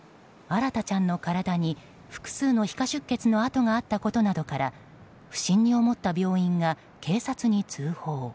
新大ちゃんの体に複数の皮下出血の痕があったことなどから不審に思った病院が警察に通報。